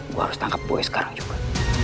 gue harus tangkap gue sekarang juga